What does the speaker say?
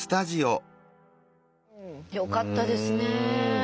よかったですね。